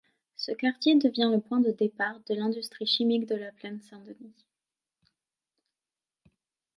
Ce quartier devient le point de départ de l'industrie chimique de la Plaine-Saint-Denis.